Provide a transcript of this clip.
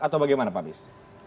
atau bagaimana pak mis